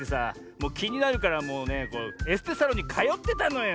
もうきになるからもうねエステサロンにかよってたのよ。